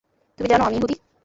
তুমি জানো, আমি ইহুদী।